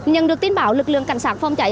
nhận được tin báo lực lượng cảnh sát phòng cháy